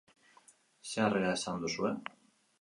Zer harrera izan duzue?